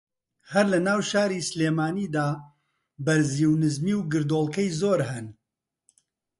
ھەر لە ناو شاری سلێمانی دا بەرزی و نزمی و گردۆڵکەی زۆر ھەن